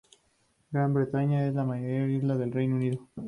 Gran Bretaña es la mayor isla del Reino Unido.